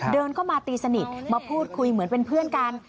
เดินเข้ามาตีสนิทมาพูดคุยเหมือนเป็นเพื่อนกัน